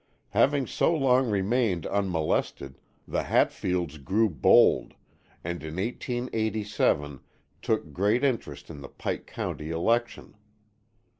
Having so long remained unmolested, the Hatfields grew bold, and in 1887, took great interest in the Pike County election.